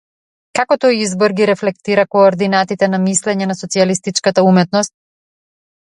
Како тој избор ги рефлектира координатите на мислење на социјалистичката уметност?